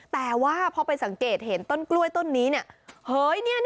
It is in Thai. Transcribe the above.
แต่ว่าพอไปสังเกตเห็นต้นกล้วยต้นนี้